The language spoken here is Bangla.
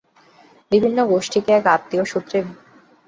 বিভিন্ন গোষ্ঠীকে এক আত্মীয়তাসূত্রে বিধৃত করা প্রত্যেক জাতির সাধারণ কর্তব্য।